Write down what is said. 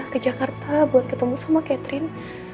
ke jakarta buat ketemu sama catherine